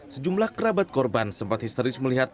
sejumlah kerabat korban sempat histeris melihat